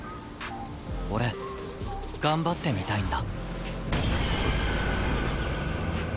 俺頑張ってみたいんだ。